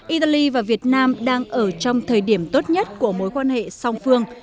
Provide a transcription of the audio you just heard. italy và việt nam đang ở trong thời điểm tốt nhất của mối quan hệ song phương